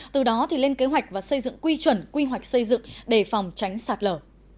từ đó lên kế hoạch và xây dựng quy chuẩn quy hoạch xây dựng để phòng tránh sạt lở